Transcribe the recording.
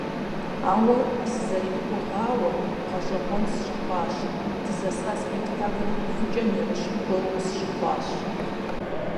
Ауэ, сэзэримыгугъауэ, гъэщӏэгъуэн сщыхъуащ, дызэса спектакль гъэувыкӏэм емыщхь гуэру къысщыхъуащ.